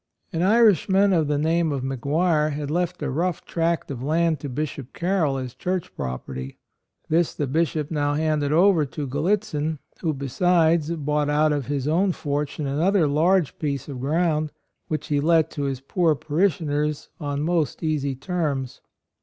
An Irishman of the name of McGuire had left a rough tract of land to Bishop Carroll as church property; this the Bishop now handed over to Gallitzin, who, besides, bought out of his own fortune another large piece of ground, which he let to his poor parishioners on most easy terms.